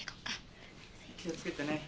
気をつけてね。